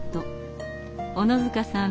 小野塚さん